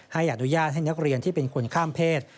ให้อนุญาตให้นักเรียนที่เป็นคนข้ามเพศ